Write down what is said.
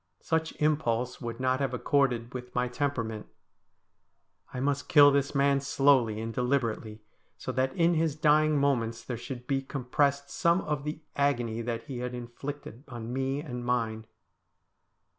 Such im pulse would not have accorded with my temperament. I must kill this man slowly and deliberately, so that in his dying moments there should be compressed some of the agony that he had inflicted on me and mine.